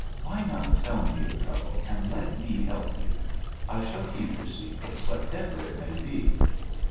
Why not tell me your trouble and let me help you? I shall keep your secret, whatever it may be.'